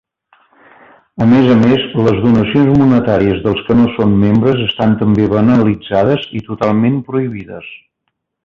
A més a més, les donacions monetàries dels que no són membres estan també banalitzades i totalment prohibides.